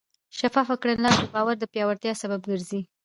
شفافه کړنلاره د باور د پیاوړتیا سبب ګرځي.